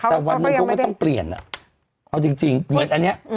แต่วันหนึ่งเขาก็ต้องเปลี่ยนอ่ะเอาจริงเหมือนอันนี้